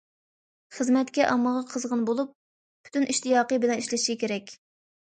خىزمەتكە، ئاممىغا قىزغىن بولۇپ، پۈتۈن ئىشتىياقى بىلەن ئىشلىشى كېرەك.